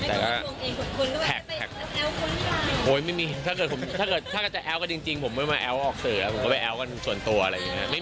แต่ก็แท็กโอ้ยไม่มีถ้าเกิดจะแอลล์กันจริงผมไม่มาแอลล์ออกสื่อผมก็ไปแอลล์กันส่วนตัวอะไรอย่างนี้